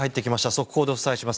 速報でお伝えします。